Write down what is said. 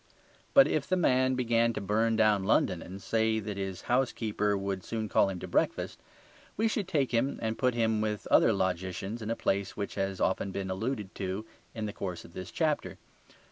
But if the man began to burn down London and say that his housekeeper would soon call him to breakfast, we should take him and put him with other logicians in a place which has often been alluded to in the course of this chapter.